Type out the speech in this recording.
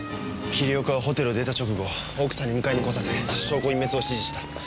桐岡はホテルを出た直後奥さんに迎えに来させ証拠隠滅を指示した。